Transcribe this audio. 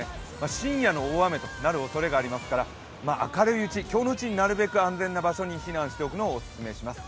深夜の大雨となるおそれがありますから、明るいうち、今日のうちになるべく安全な場所に避難しておくのをお勧めします。